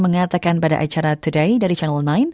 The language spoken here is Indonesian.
mengatakan pada acara today dari channel sembilan